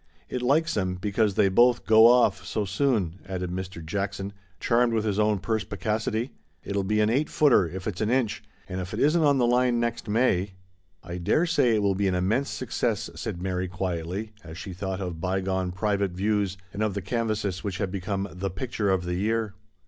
It likes 'em, because they both 'go off ' so soon," added Mr. Jackson, charmed with his own perspicacity. "It'll be an eight footer, if it's an inch, and if it isn't ' on the line ' next May "" I daresay it will be an immense success," said Mary quietly, as she thought of bygone Private Views, and of the canvases which had become " the picture of the year."